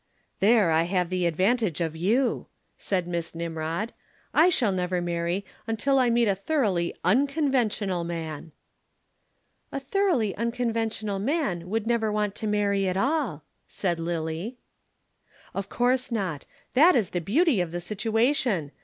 "There I have the advantage of you," said Miss Nimrod. "I shall never marry till I meet a thoroughly _un_conventional man." "A thoroughly unconventional man would never want to marry at all," said Lillie. "Of course not. That is the beauty of the situation.